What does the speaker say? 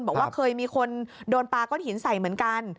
บอกว่าเคยมีคนโดนปลาก้อนหินใส่เหมือนกัน